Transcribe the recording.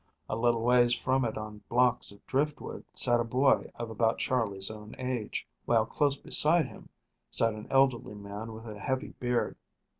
A little ways from it on blocks of driftwood sat a boy of about Charley's own age, while close beside him sat an elderly man with a heavy beard.